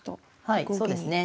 はいそうですね。